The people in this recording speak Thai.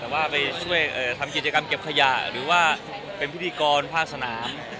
แต่ว่าไปช่วยทำกิจกรรมเก็บขยะหรือว่าเป็นพิธีกรภาคสนาม